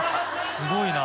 すごいな。